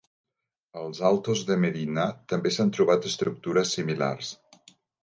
Als Altos de Medina també s'han trobat estructures similars.